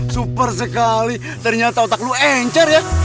super sekali ternyata otak lo encer ya